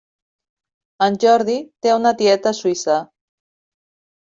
En Jordi té una tieta a Suïssa.